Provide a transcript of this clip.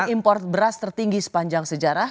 import beras tertinggi sepanjang sejarah